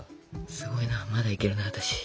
すごいなまだいけるな私。